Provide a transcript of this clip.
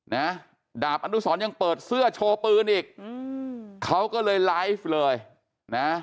นะดาบอนุสรยังเปิดเสื้อโชว์ปืนอีกอืมเขาก็เลยไลฟ์เลยนะ